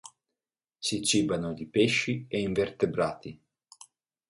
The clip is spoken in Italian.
Si cibano di pesci e invertebrati.